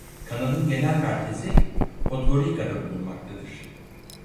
Kanalın genel merkezi Podgorica'da bulunmaktadır.